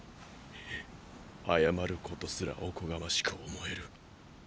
謝ることすらおこがましく思える。